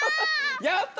やった！